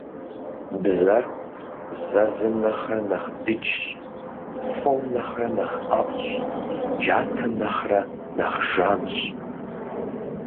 Бзэр зэзым нэхърэ нэхъ дыджщ, фом нэхърэ нэхъ ӀэфӀщ, джатэм нэхърэ нэхъ жанщ.